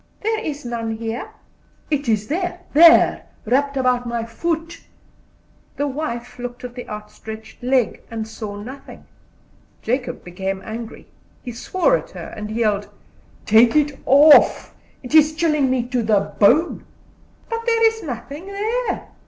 "There is none here." "It is there there, wrapped about my foot." The wife looked at the outstretched leg, and saw nothing. Jacob became angry, he swore at her, and yelled: "Take it off; it is chilling me to the bone." "There is nothing there."